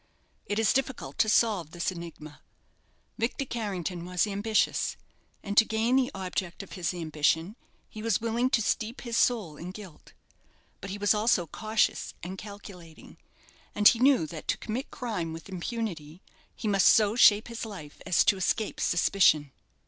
It is difficult to solve this enigma. Victor Carrington was ambitious; and to gain the object of his ambition he was willing to steep his soul in guilt. But he was also cautious and calculating, and he knew that to commit crime with impunity he must so shape his life as to escape suspicion.